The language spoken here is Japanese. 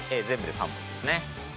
全部で３文字ですね。